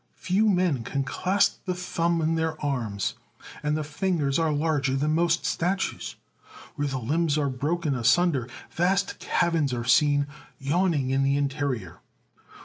Few men can clasp the thumb in their arms, and the fingers are larger than most statues. Where the limbs are broken asunder, vast caverns are seen yawning in the interior.